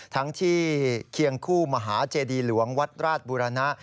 ทั้งที่เคียงคู่มหาเจดีหลวงวัดราชบุรณะ